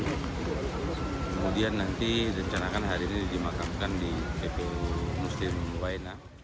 kemudian nanti rencanakan hari ini dimakamkan di kpu mustinwaina